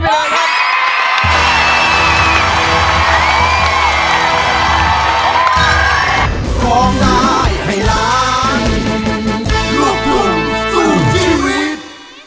แผ่นที่๓นะครับข้าเป็นพี่พิวัลครับ